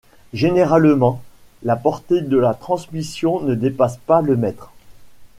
Généralement, la portée de la transmission ne dépasse pas le mètre.